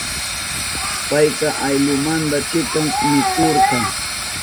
Payka ayllunmanta chikan mikuhurka.